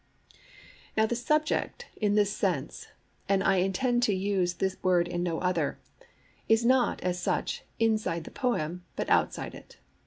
VALUE NOT IN SUBJECT Now the subject, in this sense (and I intend to use the word in no other), is not, as such, inside the poem, but outside it.